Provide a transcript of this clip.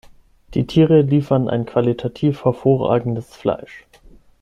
Die Tiere liefern ein qualitativ hervorragendes Fleisch.